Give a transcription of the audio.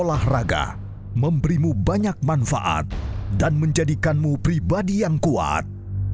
olahraga memberimu banyak manfaat dan menjadikanmu pribadi yang kuat